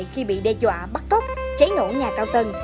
khi bị đe dọa bắt cóc cháy nổ nhà cao tầng